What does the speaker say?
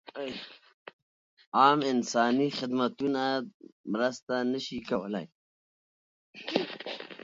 عام انساني خدمتونه مرسته نه شي کولای.